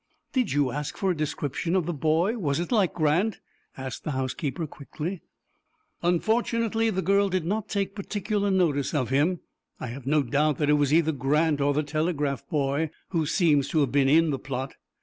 "Did you ask for a description of the boy? Was it like Grant?" asked the housekeeper, quickly. "Unfortunately, the girl did not take particular notice of him. I have no doubt that it was either Grant or the telegraph boy, who seems to have been in the plot."'